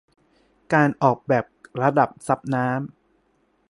การออกแบบระบบซับน้ำ